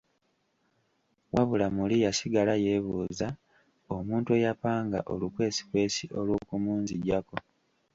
Wabula muli yasigala yeebuuza omuntu eyapanga olukwesikwesi olwokumunzigyako.